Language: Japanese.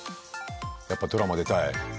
やっぱドラマ出たい？